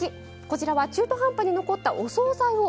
こちらは中途半端に残ったお総菜を一掃します。